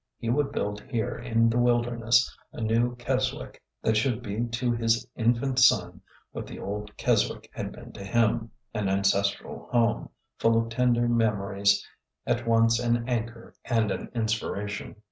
He would build here in the wilderness a new Keswick that should be to his infant son what the old Keswick had been to him — an ancestral home, full of tender memories, at once an anchor and an inspiration.